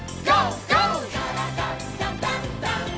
「からだダンダンダン」